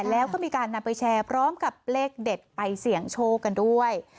แล้วก็มีการนำไปแชร์พร้อมกับเลขเด็ดไปเสี่ยงโชคกันด้วย